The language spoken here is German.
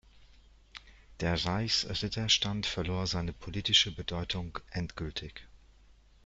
Der Reichsritterstand verlor seine politische Bedeutung endgültig.